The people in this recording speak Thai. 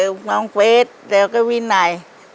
น้องเฟสแล้วก็วินัย